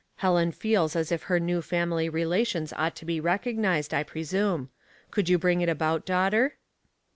Helen feels as if her new family re lations ought to be recognized, I presume. Could you bring it about, daughter?